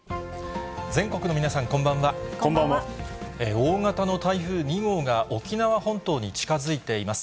大型の台風２号が、沖縄本島に近づいています。